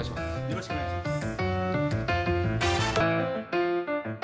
よろしくお願いします。